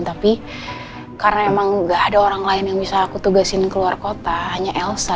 tapi karena emang gak ada orang lain yang bisa aku tugasin keluar kota hanya elsa